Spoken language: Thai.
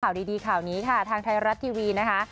ข่าวดีข่าวนี้ค่ะทางไทยรัฐทีวีนะคะ